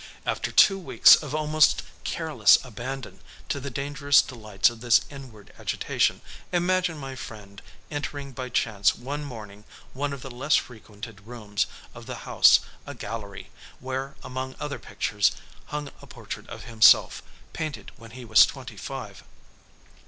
After two weeks of almost careless abandon to the dangerous delights of this inward agitation imagine my friend entering by chance one morning one of the less frequented rooms of the house, a gallery, where, among other pictures, hung a portrait of himself, painted when he was twenty five.